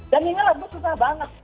dan ini lagu susah banget